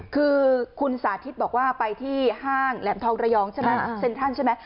คือคุณสาธิตบอกว่าไปที่ห้างแหลมทองระยองใช่ไหมเซ็นทรัลใช่ไหม